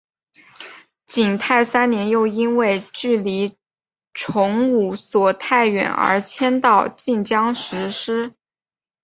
景泰三年又因为距离崇武所太远而迁到晋江石狮。